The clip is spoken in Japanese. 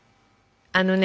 あのね